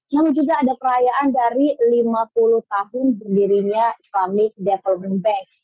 namun juga ada perayaan dari lima puluh tahun berdirinya islamic development bank